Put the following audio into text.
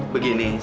bukan ibu mbak